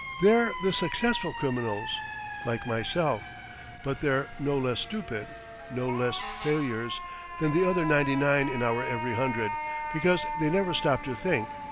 They're the successful criminals, like myself but they're no less stupid, no less failures, than the other ninety nine in our every hundred, because they never stop to think.